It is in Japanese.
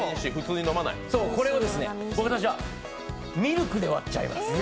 これを私は、ミルクで割っちゃいます。